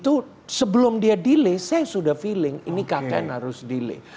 itu sebelum dia delay saya sudah feeling ini kkn harus delay